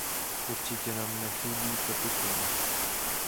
Určitě nám nechybí kapitál.